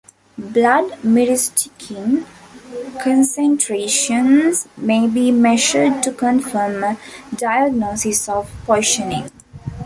Blood myristicin concentrations may be measured to confirm a diagnosis of poisoning.